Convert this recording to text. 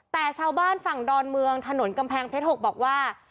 แต่ชาวบ้านฝั่งดอนเมืองถนนกำแพงเพชร๖บอกว่า